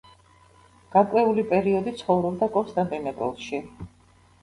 გარკვეული პერიოდი ცხოვრობდა კონსტანტინოპოლში.